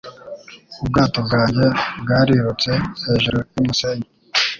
Ubwato bwanjye bwarirutse hejuru yumusenyi